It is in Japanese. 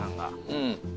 うん。